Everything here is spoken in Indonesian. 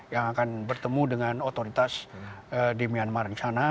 yang akan bertemu dengan otoritas di myanmar di sana